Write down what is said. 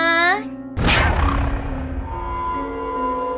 astrologal dulu kasihan kita